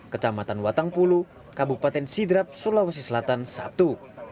kecamatan watangpulu kabupaten sidrap sulawesi selatan sabtu